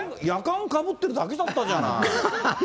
やかんかぶってただけだったじゃない。